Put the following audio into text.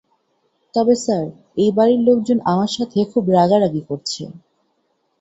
তবে স্যার, এই বাড়ির লোকজন আমার সাথে খুব রাগারাগি করছে।